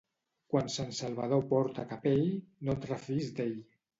Quan Sant Salvador porta capell, no et refiïs d'ell.